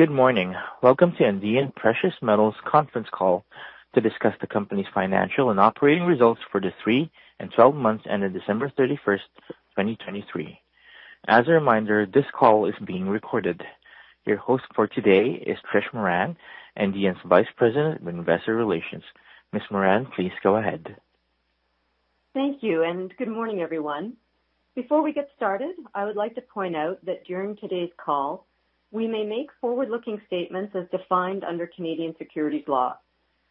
Good morning. Welcome to Andean Precious Metals' conference call to discuss the company's financial and operating results for the three and 12 months ending December 31st, 2023. As a reminder, this call is being recorded. Your host for today is Trish Moran, Andean's Vice President of Investor Relations. Ms. Moran, please go ahead. Thank you, and good morning, everyone. Before we get started, I would like to point out that during today's call, we may make forward-looking statements as defined under Canadian securities law.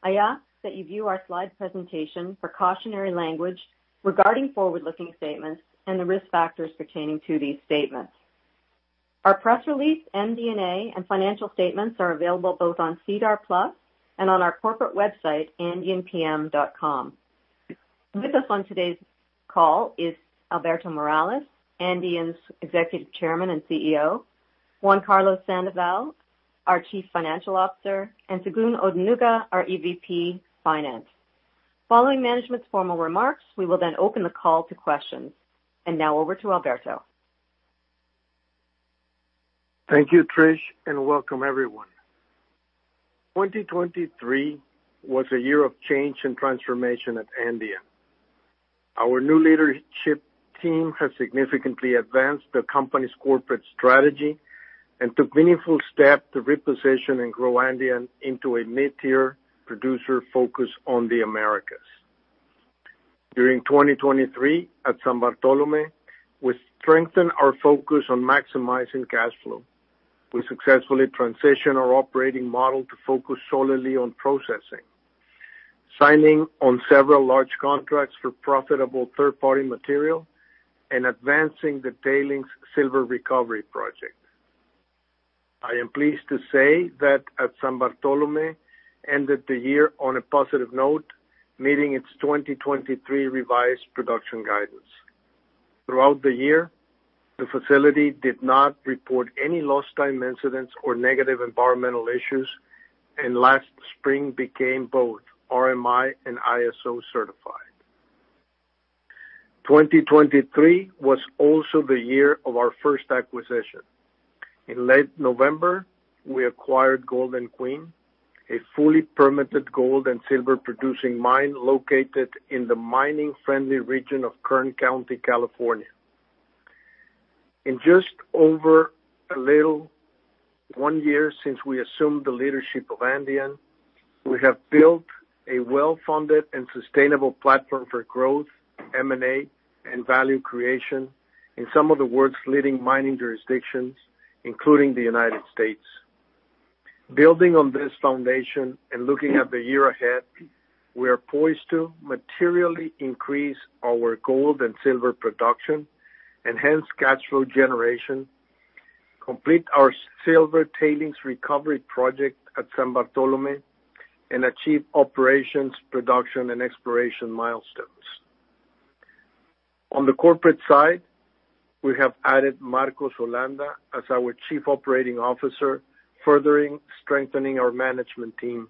I ask that you view our slide presentation for cautionary language regarding forward-looking statements and the risk factors pertaining to these statements. Our press release, MD&A, and financial statements are available both on SEDAR+ and on our corporate website, andeanpm.com. With us on today's call is Alberto Morales, Andean's Executive Chairman and CEO, Juan Carlos Sandoval, our Chief Financial Officer, and Segun Odunuga, our EVP Finance. Following management's formal remarks, we will then open the call to questions. And now over to Alberto. Thank you, Trish, and welcome, everyone. 2023 was a year of change and transformation at Andean. Our new leadership team has significantly advanced the company's corporate strategy and took meaningful steps to reposition and grow Andean into a mid-tier producer focused on the Americas. During 2023 at San Bartolomé, we strengthened our focus on maximizing cash flow. We successfully transitioned our operating model to focus solely on processing, signing on several large contracts for profitable third-party material, and advancing the Tailings Silver Recovery Project. I am pleased to say that at San Bartolomé ended the year on a positive note, meeting its 2023 revised production guidance. Throughout the year, the facility did not report any lost time incidents or negative environmental issues, and last spring became both RMI and ISO certified. 2023 was also the year of our first acquisition. In late November, we acquired Golden Queen, a fully permitted gold and silver producing mine located in the mining-friendly region of Kern County, California. In just over a little one year since we assumed the leadership of Andean, we have built a well-funded and sustainable platform for growth, M&A, and value creation in some of the world's leading mining jurisdictions, including the United States. Building on this foundation and looking at the year ahead, we are poised to materially increase our gold and silver production, enhance cash flow generation, complete our Silver Tailings Recovery Project at San Bartolomé, and achieve operations, production, and exploration milestones. On the corporate side, we have added Marcos Holanda as our Chief Operating Officer, further strengthening our management team.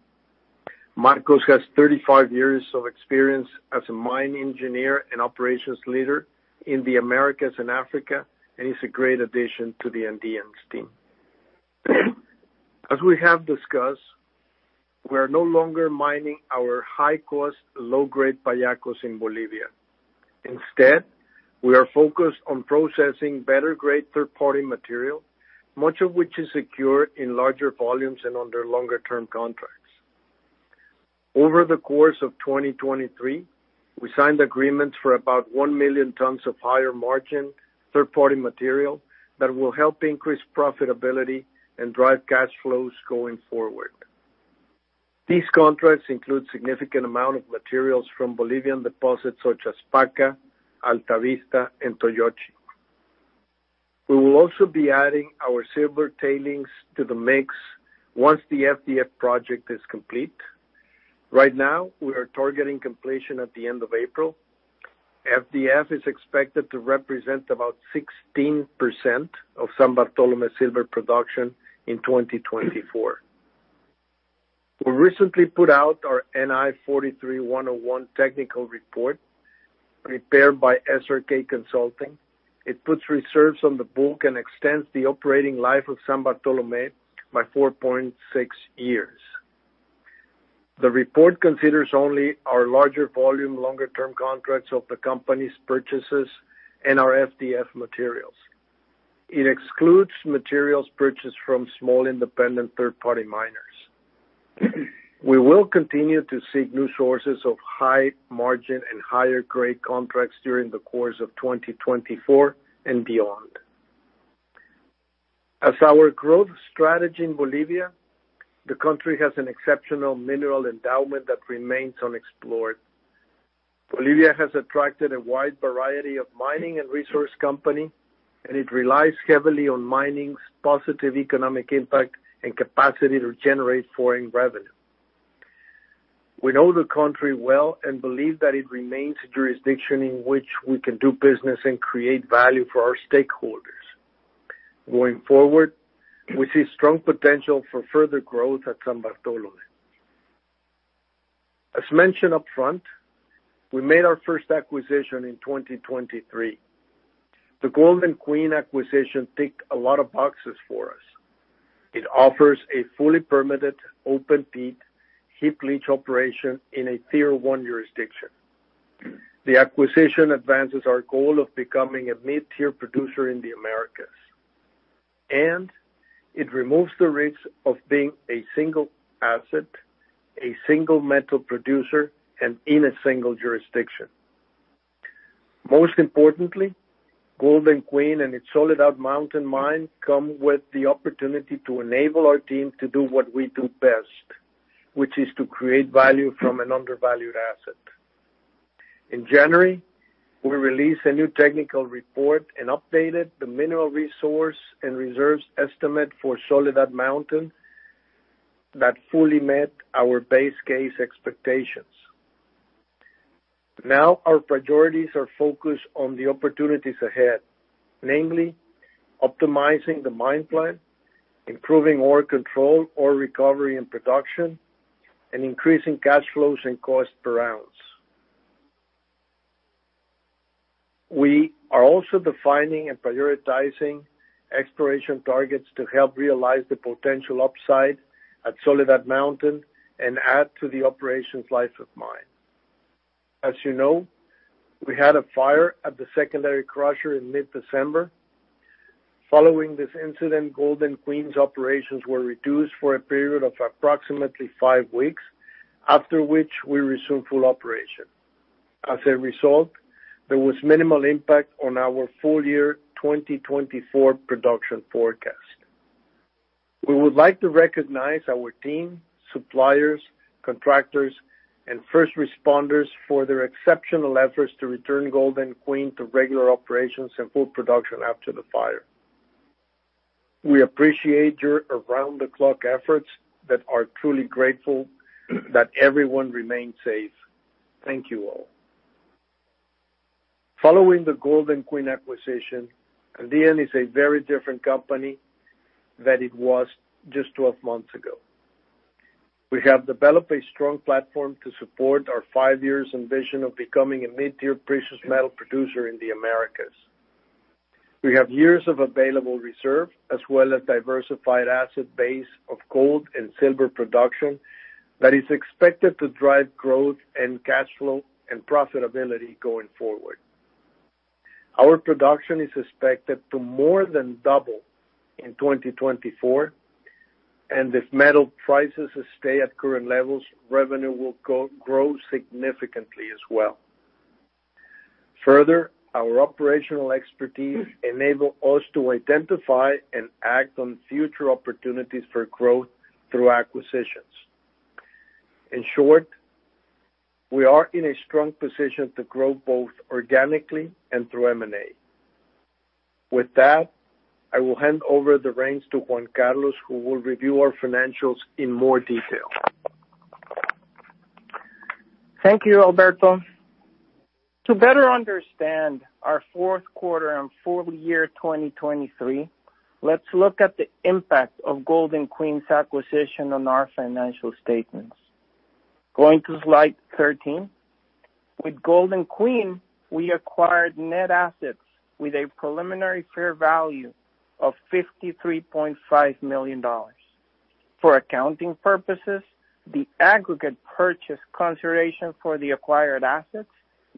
Marcos has 35 years of experience as a mine engineer and operations leader in the Americas and Africa, and he's a great addition to the Andean's team. As we have discussed, we are no longer mining our high-cost, low-grade pallacos in Bolivia. Instead, we are focused on processing better-grade third-party material, much of which is secured in larger volumes and under longer-term contracts. Over the course of 2023, we signed agreements for about 1 million tons of higher-margin third-party material that will help increase profitability and drive cash flows going forward. These contracts include a significant amount of materials from Bolivian deposits such as Paca, Alta Vista, and Tollojchi. We will also be adding our Silver Tailings to the mix once the FDF project is complete. Right now, we are targeting completion at the end of April. FDF is expected to represent about 16% of San Bartolomé silver production in 2024. We recently put out our NI 43-101 technical report prepared by SRK Consulting. It puts reserves on the book and extends the operating life of San Bartolomé by 4.6 years. The report considers only our larger-volume, longer-term contracts of the company's purchases and our FDF materials. It excludes materials purchased from small independent third-party miners. We will continue to seek new sources of high-margin and higher-grade contracts during the course of 2024 and beyond. As our growth strategy in Bolivia, the country has an exceptional mineral endowment that remains unexplored. Bolivia has attracted a wide variety of mining and resource companies, and it relies heavily on mining's positive economic impact and capacity to generate foreign revenue. We know the country well and believe that it remains a jurisdiction in which we can do business and create value for our stakeholders. Going forward, we see strong potential for further growth at San Bartolomé. As mentioned upfront, we made our first acquisition in 2023. The Golden Queen acquisition ticked a lot of boxes for us. It offers a fully permitted, open-pit, heap leach operation in a Tier 1 jurisdiction. The acquisition advances our goal of becoming a mid-tier producer in the Americas, and it removes the risks of being a single asset, a single metal producer, and in a single jurisdiction. Most importantly, Golden Queen and its Soledad Mountain mine come with the opportunity to enable our team to do what we do best, which is to create value from an undervalued asset. In January, we released a new technical report and updated the mineral resource and reserves estimate for Soledad Mountain that fully met our base case expectations. Now our priorities are focused on the opportunities ahead, namely optimizing the mine plan, improving ore control or recovery in production, and increasing cash flows and costs per ounce. We are also defining and prioritizing exploration targets to help realize the potential upside at Soledad Mountain and add to the operations life of mine. As you know, we had a fire at the secondary crusher in mid-December. Following this incident, Golden Queen's operations were reduced for a period of approximately five weeks, after which we resumed full operation. As a result, there was minimal impact on our full-year 2024 production forecast. We would like to recognize our team, suppliers, contractors, and first responders for their exceptional efforts to return Golden Queen to regular operations and full production after the fire. We appreciate your around-the-clock efforts and are truly grateful that everyone remained safe. Thank you all. Following the Golden Queen acquisition, Andean is a very different company than it was just 12 months ago. We have developed a strong platform to support our five-year vision of becoming a mid-tier precious metal producer in the Americas. We have years of available reserves as well as a diversified asset base of gold and silver production that is expected to drive growth and cash flow and profitability going forward. Our production is expected to more than double in 2024, and if metal prices stay at current levels, revenue will grow significantly as well. Further, our operational expertise enables us to identify and act on future opportunities for growth through acquisitions. In short, we are in a strong position to grow both organically and through M&A. With that, I will hand over the reins to Juan Carlos, who will review our financials in more detail. Thank you, Alberto. To better understand our fourth quarter and full year 2023, let's look at the impact of Golden Queen's acquisition on our financial statements. Going to slide 13, with Golden Queen, we acquired net assets with a preliminary fair value of $53.5 million. For accounting purposes, the aggregate purchase consideration for the acquired assets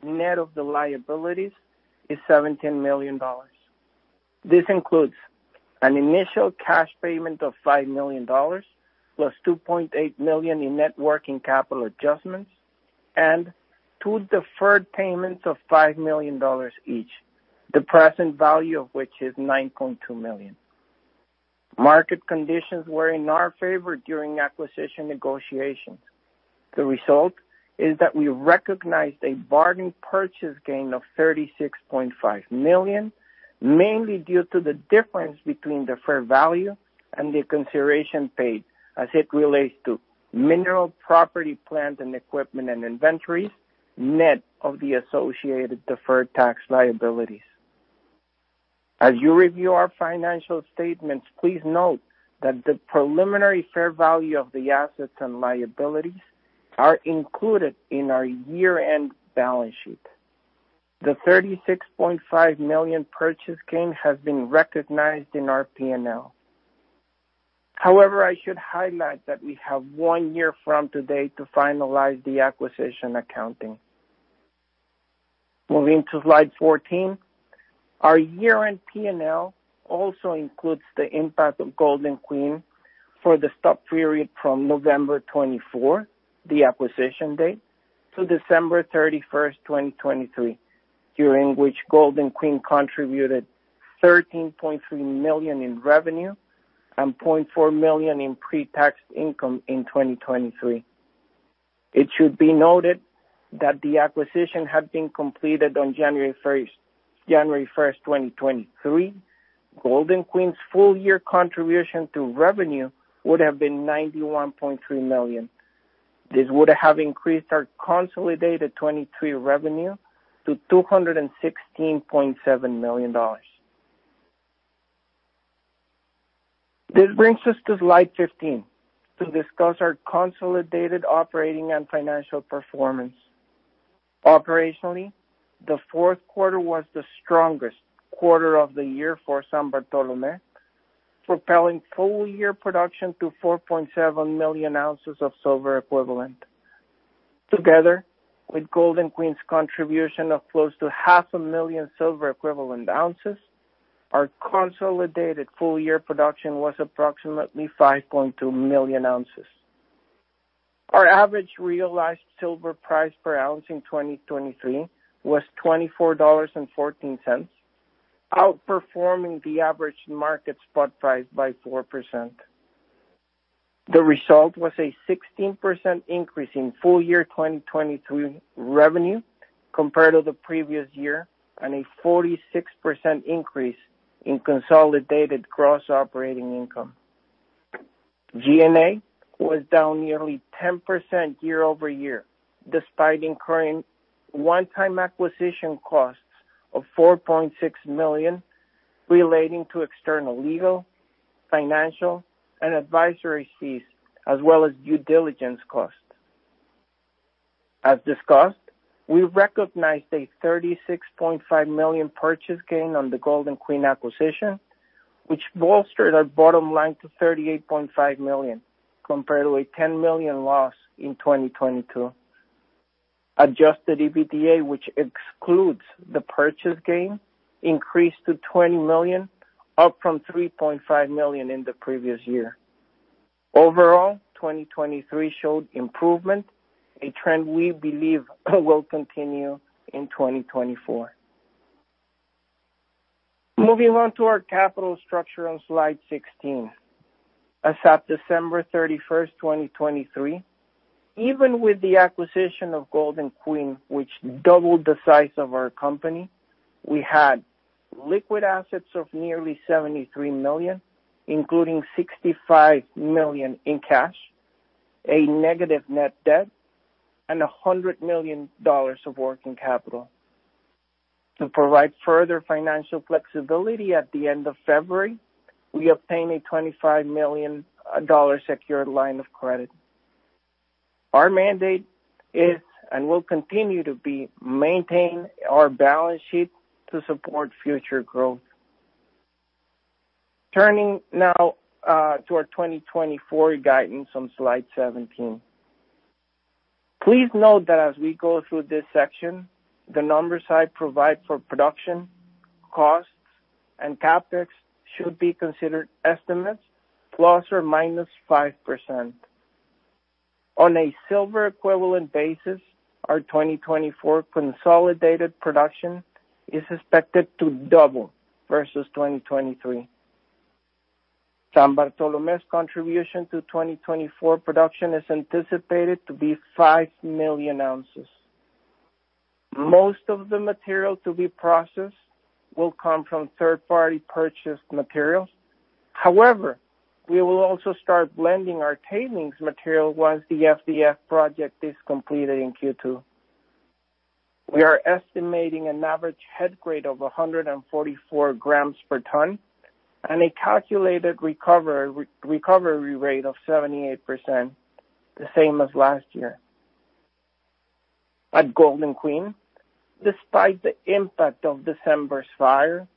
net of the liabilities is $17 million. This includes an initial cash payment of $5 million plus $2.8 million in net working capital adjustments and two deferred payments of $5 million each, the present value of which is $9.2 million. Market conditions were in our favor during acquisition negotiations. The result is that we recognized a bargain purchase gain of $36.5 million, mainly due to the difference between the fair value and the consideration paid as it relates to mineral property plant and equipment and inventories net of the associated deferred tax liabilities. As you review our financial statements, please note that the preliminary fair value of the assets and liabilities are included in our year-end balance sheet. The $36.5 million purchase gain has been recognized in our P&L. However, I should highlight that we have one year from today to finalize the acquisition accounting. Moving to slide 14, our year-end P&L also includes the impact of Golden Queen for the stub period from November 24th, the acquisition date, to December 31st, 2023, during which Golden Queen contributed $13.3 million in revenue and $0.4 million in pre-tax income in 2023. It should be noted that the acquisition had been completed on January 1st, 2023. Golden Queen's full-year contribution to revenue would have been $91.3 million. This would have increased our consolidated 2023 revenue to $216.7 million. This brings us to slide 15 to discuss our consolidated operating and financial performance. Operationally, the fourth quarter was the strongest quarter of the year for San Bartolomé, propelling full-year production to 4.7 million ounces of silver equivalent. Together with Golden Queen's contribution of close to 500,000 silver equivalent ounces, our consolidated full-year production was approximately 5.2 million ounces. Our average realized silver price per ounce in 2023 was $24.14, outperforming the average market spot price by 4%. The result was a 16% increase in full-year 2023 revenue compared to the previous year and a 46% increase in consolidated gross operating income. G&A was down nearly 10% year-over-year despite incurring one-time acquisition costs of $4.6 million relating to external legal, financial, and advisory fees as well as due diligence costs. As discussed, we recognized a $36.5 million purchase gain on the Golden Queen acquisition, which bolstered our bottom line to $38.5 million compared to a $10 million loss in 2022. Adjusted EBITDA, which excludes the purchase gain, increased to $20 million, up from $3.5 million in the previous year. Overall, 2023 showed improvement, a trend we believe will continue in 2024. Moving on to our capital structure on slide 16. As of December 31, 2023, even with the acquisition of Golden Queen, which doubled the size of our company, we had liquid assets of nearly $73 million, including $65 million in cash, a negative net debt, and $100 million of working capital. To provide further financial flexibility at the end of February, we obtained a $25 million secured line of credit. Our mandate is and will continue to be to maintain our balance sheet to support future growth. Turning now to our 2024 guidance on slide 17. Please note that as we go through this section, the numbers I provide for production, costs, and CapEx should be considered estimates ±5%. On a silver equivalent basis, our 2024 consolidated production is expected to double versus 2023. San Bartolomé's contribution to 2024 production is anticipated to be 5 million ounces. Most of the material to be processed will come from third-party purchased materials. However, we will also start blending our tailings material once the FDF project is completed in Q2. We are estimating an average head grade of 144g per ton and a calculated recovery rate of 78%, the same as last year. At Golden Queen, despite the impact of December's fire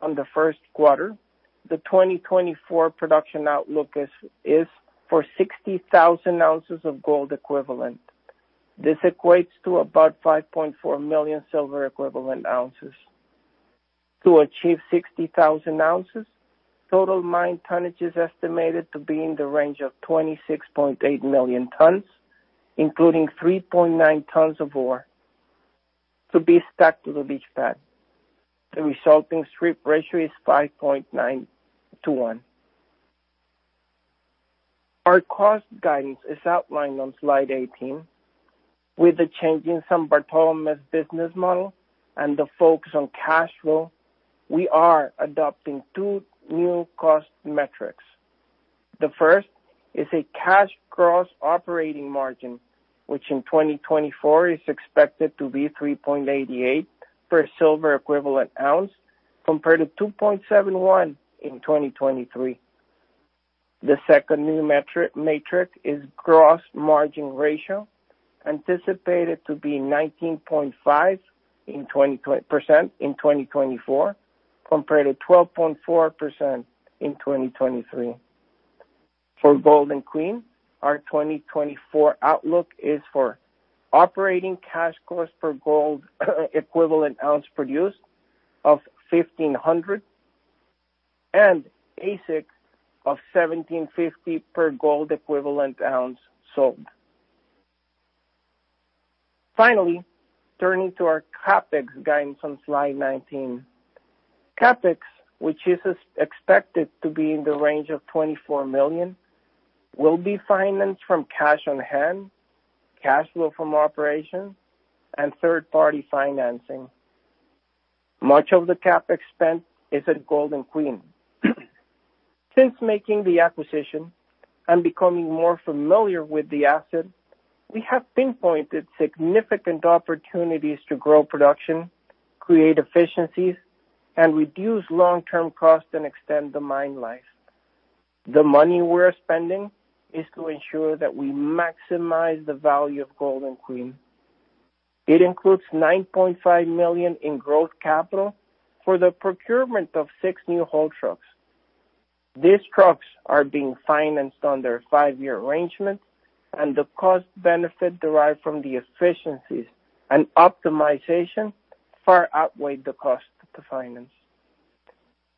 on the first quarter, the 2024 production outlook is for 60,000 ounces of gold equivalent. This equates to about 5.4 million silver equivalent ounces. To achieve 60,000 ounces, total mine tonnage is estimated to be in the range of 26.8 million tons, including 3.9 tons of ore, to be stacked to the leach pad. The resulting strip ratio is 5.9:1. Our cost guidance is outlined on slide 18. With the change in San Bartolomé's business model and the focus on cash flow, we are adopting two new cost metrics. The first is a cash gross operating margin, which in 2024 is expected to be $3.88 per silver equivalent ounce compared to $2.71 in 2023. The second new metric is gross margin ratio, anticipated to be 19.5% in 2024 compared to 12.4% in 2023. For Golden Queen, our 2024 outlook is for operating cash cost per gold equivalent ounce produced of $1,500 and AISC of $1,750 per gold equivalent ounce sold. Finally, turning to our CapEx guidance on slide 19. CapEx, which is expected to be in the range of $24 million, will be financed from cash on hand, cash flow from operations, and third-party financing. Much of the CapEx spent is at Golden Queen. Since making the acquisition and becoming more familiar with the asset, we have pinpointed significant opportunities to grow production, create efficiencies, and reduce long-term costs and extend the mine life. The money we are spending is to ensure that we maximize the value of Golden Queen. It includes $9.5 million in growth capital for the procurement of six new haul trucks. These trucks are being financed on their five-year arrangement, and the cost-benefit derived from the efficiencies and optimization far outweighs the cost to finance.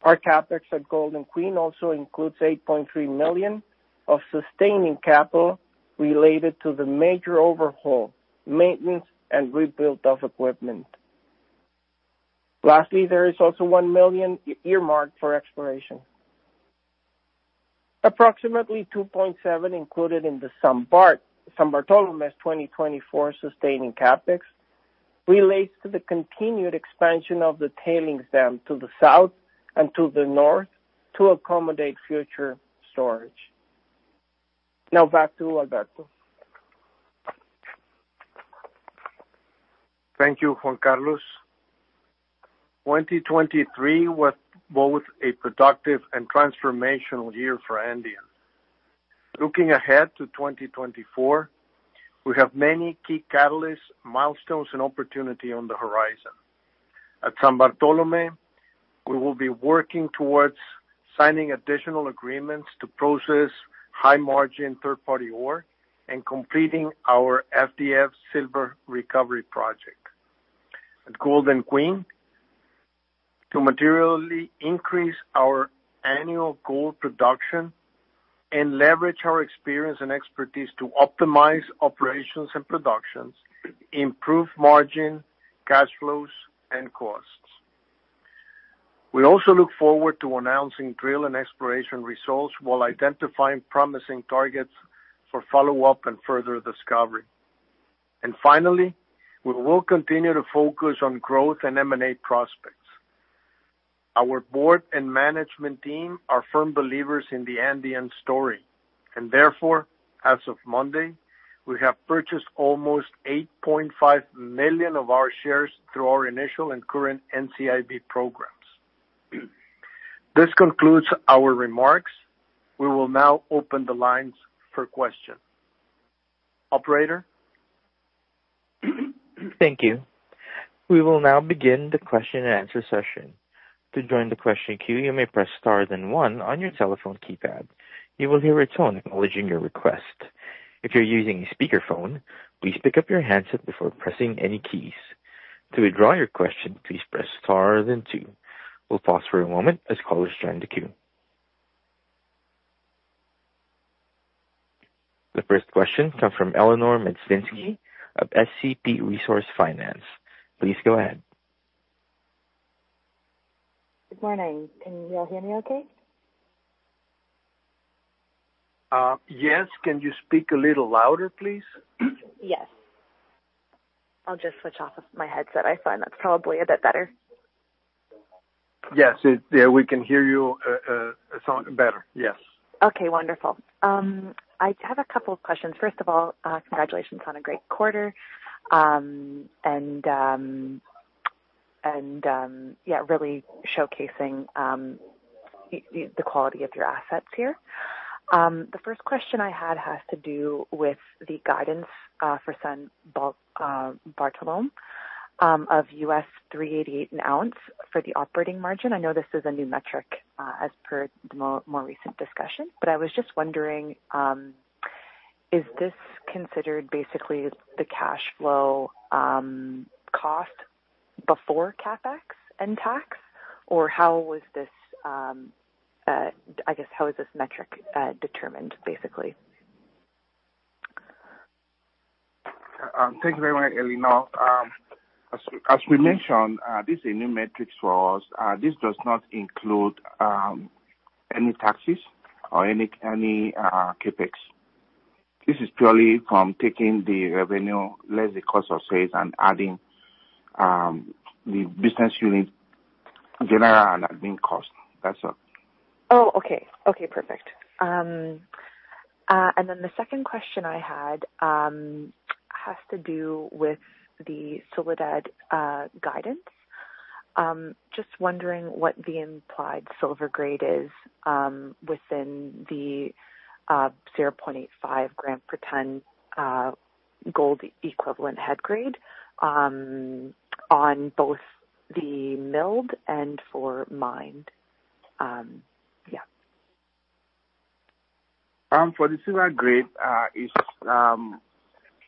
Our CapEx at Golden Queen also includes $8.3 million of sustaining capital related to the major overhaul, maintenance, and rebuild of equipment. Lastly, there is also $1 million earmarked for exploration. Approximately $2.7 million included in the San Bartolomé's 2024 sustaining CapEx relates to the continued expansion of the tailings dam to the south and to the north to accommodate future storage. Now back to Alberto. Thank you, Juan Carlos. 2023 was both a productive and transformational year for Andean. Looking ahead to 2024, we have many key catalysts, milestones, and opportunities on the horizon. At San Bartolomé, we will be working towards signing additional agreements to process high-margin third-party ore and completing our FDF silver recovery project. At Golden Queen, to materially increase our annual gold production and leverage our experience and expertise to optimize operations and productions, improve margin, cash flows, and costs. We also look forward to announcing drill and exploration results while identifying promising targets for follow-up and further discovery. And finally, we will continue to focus on growth and M&A prospects. Our board and management team are firm believers in the Andean story, and therefore, as of Monday, we have purchased almost $8.5 million of our shares through our initial and current NCIB programs. This concludes our remarks. We will now open the lines for questions. Operator? Thank you. We will now begin the question-and-answer session. To join the question queue, you may press star, then one on your telephone keypad. You will hear a tone acknowledging your request. If you're using a speakerphone, please pick up your handset before pressing any keys. To withdraw your question, please press star, then two. We'll pause for a moment as callers join the queue. The first question comes from Eleanor Magdzinski of SCP Resource Finance. Please go ahead. Good morning. Can you all hear me okay? Yes. Can you speak a little louder, please? Yes. I'll just switch off of my headset. I find that's probably a bit better. Yes. We can hear you better. Yes. Okay. Wonderful. I have a couple of questions. First of all, congratulations on a great quarter and really showcasing the quality of your assets here. The first question I had has to do with the guidance for San Bartolomé of $388 an ounce for the operating margin. I know this is a new metric as per the more recent discussion, but I was just wondering, is this considered basically the cash flow cost before CapEx and tax, or how was this I guess, how is this metric determined, basically? Thank you very much, Eleanor. As we mentioned, this is a new metric for us. This does not include any taxes or any CapEx. This is purely from taking the revenue, less the cost of sales, and adding the business unit general and admin costs. That's all. Oh, okay. Okay. Perfect. And then the second question I had has to do with the Soledad guidance. Just wondering what the implied silver grade is within the 0.85g per ton gold equivalent head grade on both the milled and for mined. Yeah. For the silver grade, it's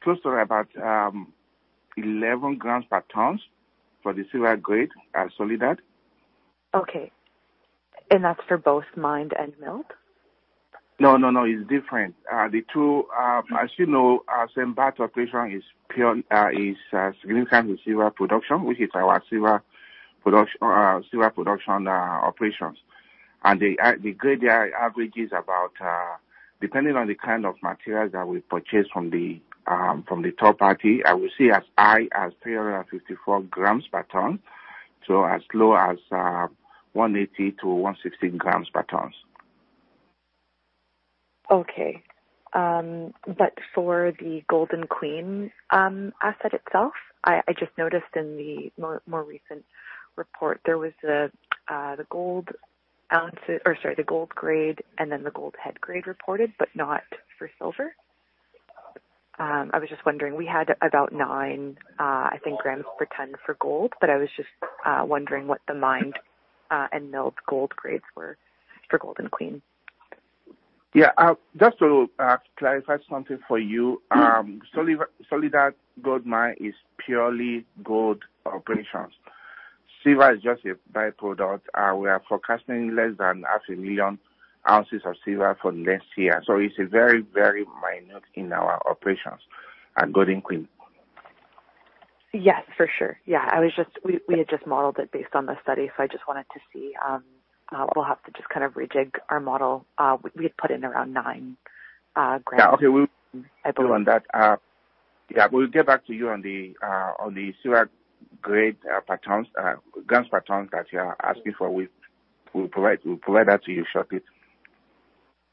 close to about 11g per ton for the silver grade at Soledad. Okay. That's for both mined and milled? No, no, no. It's different. As you know, San Bartolomé operation is significant with silver production, which is our silver production operations. The average grade is about depending on the kind of materials that we purchase from the third party. I would say as high as 354g per ton, so as low as 180g-115g per ton. Okay. But for the Golden Queen asset itself, I just noticed in the more recent report, there was the gold ounce or sorry, the gold grade and then the gold head grade reported, but not for silver. I was just wondering. We had about 9g, I think, per ton for gold, but I was just wondering what the mined and milled gold grades were for Golden Queen. Yeah. Just to clarify something for you, Soledad Mountain mine is purely gold operations. Silver is just a byproduct. We are forecasting less than 500,000 ounces of silver for next year. So it's very, very minute in our operations at Golden Queen. Yes, for sure. Yeah. We had just modeled it based on the study, so I just wanted to see, we'll have to just kind of rejig our model. We had put in around 9g, I believe. Yeah. Okay. We'll do on that. Yeah. We'll get back to you on the silver grade per tons, grams per ton that you are asking for. We'll provide that to you shortly.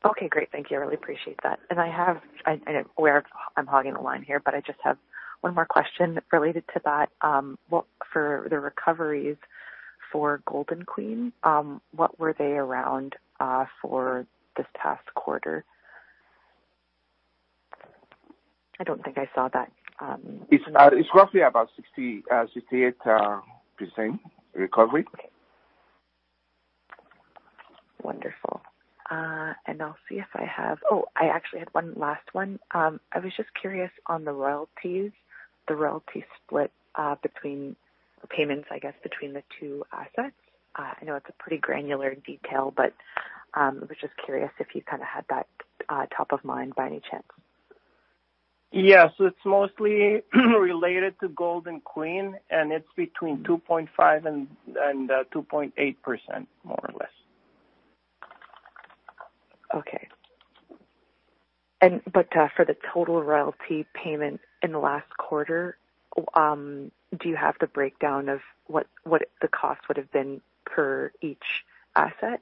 Okay. Great. Thank you. I really appreciate that. I'm aware I'm hogging the line here, but I just have one more question related to that. For the recoveries for Golden Queen, what were they around for this past quarter? I don't think I saw that. It's roughly about 68% recovery. Wonderful. And I'll see if I have, I actually had one last one. I was just curious on the royalties, the royalty split between payments, I guess, between the two assets. I know it's a pretty granular detail, but I was just curious if you kind of had that top of mind by any chance. Yeah. So it's mostly related to Golden Queen, and it's between 2.5% and 2.8%, more or less. Okay. But for the total royalty payment in the last quarter, do you have the breakdown of what the cost would have been per each asset?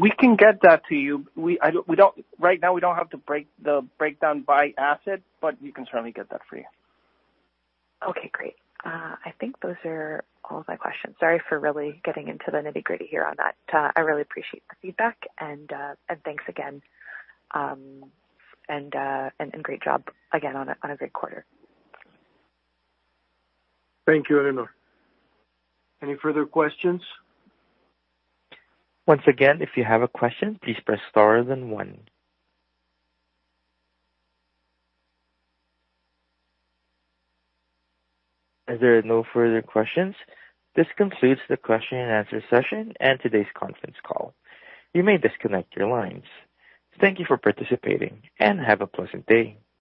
We can get that to you. Right now, we don't have to break the breakdown by asset, but we can certainly get that for you. Okay. Great. I think those are all of my questions. Sorry for really getting into the nitty-gritty here on that. I really appreciate the feedback, and thanks again. Great job again on a great quarter. Thank you, Eleanor. Any further questions? Once again, if you have a question, please press star then one. Is there no further questions? This concludes the question-and-answer session and today's conference call. You may disconnect your lines. Thank you for participating, and have a pleasant day.